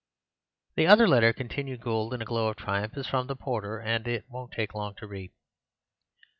"The other letter," continued Gould in a glow of triumph, "is from the porter, and won't take long to read.